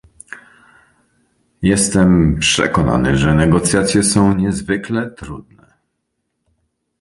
Jestem przekonany, że negocjacje są niezwykle trudne